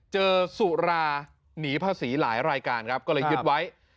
สุราหนีภาษีหลายรายการครับก็เลยยึดไว้